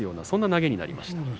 そんな投げになりました。